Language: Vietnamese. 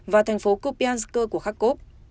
và thành phố kupyansk của kharkov